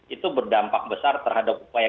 itu berdampak besar terhadap upaya